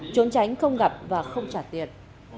trốn tránh không gặp và không trả tiền